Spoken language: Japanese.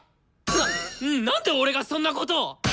なっなんで俺がそんなことっ！？